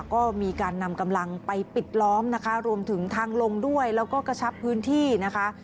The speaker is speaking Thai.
ก็มีการนำกำลังไปปิดล้อมนะคะรวมถึงทางลงด้วยแล้วก็กระชับพื้นที่นะคะ